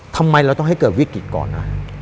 ทำไมเราต้องให้เกิดวิกฤตก่อนนะ